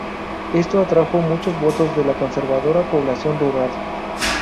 Esto atrajo muchos votos de la conservadora población rural.